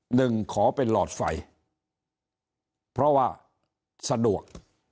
หนึ่งขอเป็นหลอดไฟเพราะว่าสะดวก